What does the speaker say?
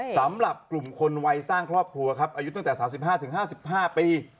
สำหรับกลุ่มคนวัยสร้างครอบครัวครับอายุตั้งแต่๓๕๕ปี